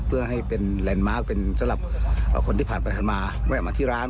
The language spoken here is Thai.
เพื่อให้เป็นเป็นสำหรับคนที่ผ่านไปหันมาแวะมาที่ร้าน